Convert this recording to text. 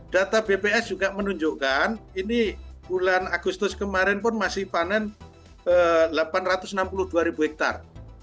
data bps juga menunjukkan ini bulan agustus kemarin pun masih panen delapan ratus enam puluh dua ribu hektare